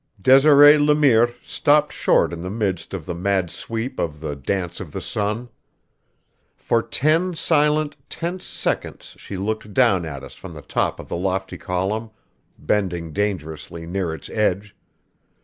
Desiree Le Mire stopped short in the midst of the mad sweep of the Dance of the Sun. For ten silent, tense seconds she looked down at us from the top of the lofty column, bending dangerously near its edge.